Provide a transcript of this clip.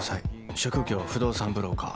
職業不動産ブローカー。